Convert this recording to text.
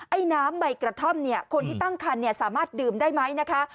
ไอ้น้ำใบกระท่อมเนี่ยคนที่ตั้งคันสามารถดื่มได้ไหมนะคะ